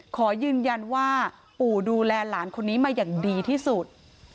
ขอยืนยันว่าปู่ดูแลหลานคนนี้มาอย่างดีที่สุด